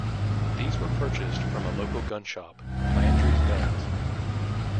These were purchased from a local gun shop, Landry's Guns.